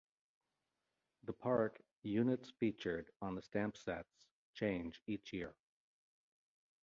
The Park units featured on the stamp sets change each year.